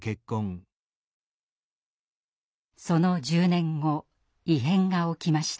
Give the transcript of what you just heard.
その１０年後異変が起きました。